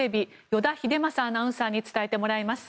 依田英将アナウンサーに伝えてもらいます。